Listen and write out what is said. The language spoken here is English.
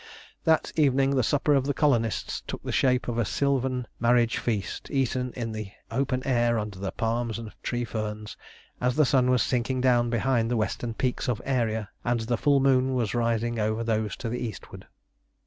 That evening the supper of the colonists took the shape of a sylvan marriage feast, eaten in the open air under the palms and tree ferns, as the sun was sinking down behind the western peaks of Aeria, and the full moon was rising over those to the eastward.